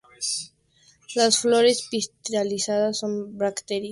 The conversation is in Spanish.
Las flores pistiladas con brácteas más pequeñas y desarrollan pequeñas frutas blancas.